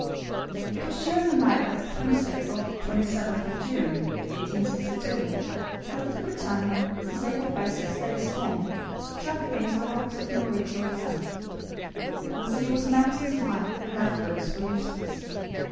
"It was during the night of the 26th or 27th of June, 1862, that the BRITANNIA, disabled by a six days' storm, struck against the rocks of Maria Theresa. The sea was mountains high, and lifeboats were useless.